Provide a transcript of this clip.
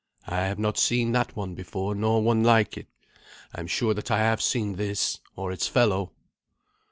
"I have not seen that one before, nor one like it. I am sure that I have seen this, or its fellow."